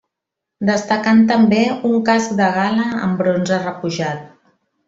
Destacant també un casc de gala en bronze repujat.